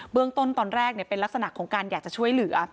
เรื่องต้นตอนแรกเป็นลักษณะของการอยากจะช่วยเหลือ